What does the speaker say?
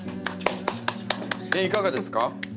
いかがですか？